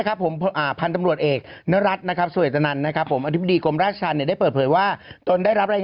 เขาก็ว่าอย่างนั้นนะครับ